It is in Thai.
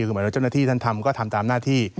คือหมายถึงว่าเจ้าหน้าที่ท่านทำก็ทำตามหน้าที่